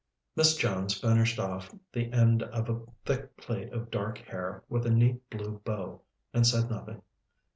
Miss Jones finished off the end of a thick plait of dark hair with a neat blue bow, and said nothing.